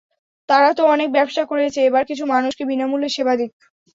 তারা তো অনেক ব্যবসা করেছে, এবার কিছু মানুষকে বিনা মূল্যে সেবা দিক।